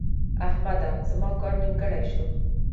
احمده! زما کار نیمګړی شو.